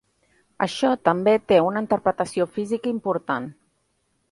Això també té una interpretació física important.